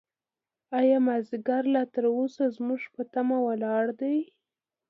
ایا مازیګر لا تر اوسه زموږ په تمه ولاړ دی؟